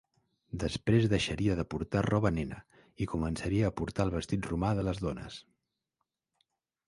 Després deixaria de portar roba nena i començaria a portar el vestit romà de les dones.